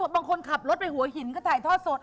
บางคนขับรถไปหัวหินก็ถ่ายทอดสด